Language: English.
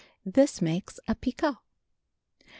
This makes a picot.